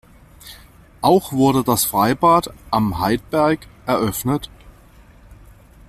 Auch wurde das Freibad "Am Heidberg" eröffnet.